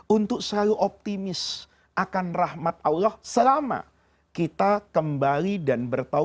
untuk selalu optimis akan rahmat allah selama kita kembali dan bertawa